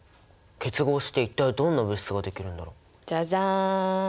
結合して一体どんな物質ができるんだろう？じゃじゃん！